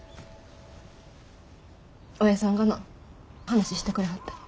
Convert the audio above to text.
お家さんがな話してくれはった。